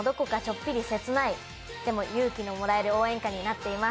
勇気のもらえる応援歌になっています。